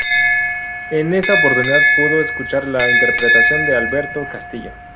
En esa oportunidad pudo escuchar la interpretación de Alberto Castillo.